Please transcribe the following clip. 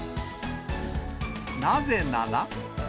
なぜなら。